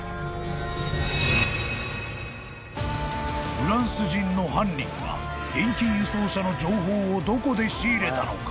［フランス人の犯人が現金輸送車の情報をどこで仕入れたのか？］